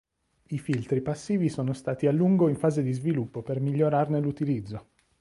I filtri passivi sono stati a lungo in fase di sviluppo per migliorarne l'utilizzo.